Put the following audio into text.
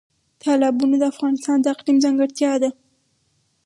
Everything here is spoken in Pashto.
تالابونه د افغانستان د اقلیم ځانګړتیا ده.